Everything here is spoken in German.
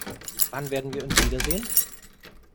Wann werden wir uns wiedersehen?